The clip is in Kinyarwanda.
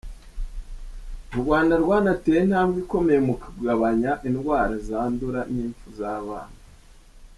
U Rwanda rwanateye intambwe ikomeye mu kugabanya indwara zandura n’imfu z’abana.